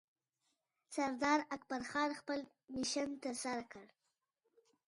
سردار اکبرخان خپل مشن ترسره کړ